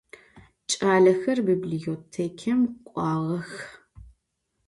Ç'alexer bibliotêkem k'uağex.